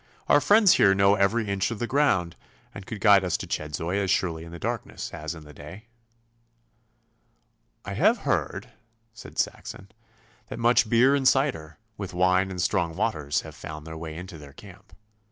'Our friends here know every inch of the ground, and could guide us to Chedzoy as surely in the darkness as in the day.' 'I have heard,' said Saxon, 'that much beer and cider, with wine and strong waters, have found their way into their camp.